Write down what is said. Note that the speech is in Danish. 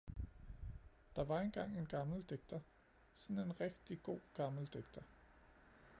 Der var engang en gammel digter, sådan en rigtig god gammel digter.